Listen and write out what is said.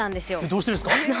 どうしてですか？